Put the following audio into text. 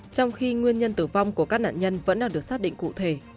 trong khi nguyên nhân tử vong của các nạn nhân vẫn đang được xác định cụ thể